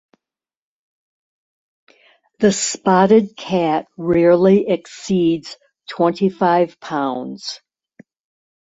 The spotted cat rarely exceeds twenty-five pounds.